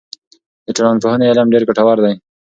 د ټولنپوهنې علم ډېر ګټور دی.